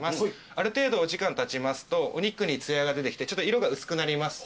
ある程度お時間たちますとお肉につやが出てきてちょっと色が薄くなります。